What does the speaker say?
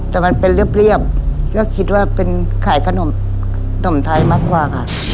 แต่มันเป็นเรียบก็คิดว่าเป็นขายขนมไทยมากกว่าค่ะ